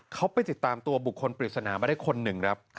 เขาไปติดตามตัวบุคคลปริศนามาได้คนหนึ่งครับ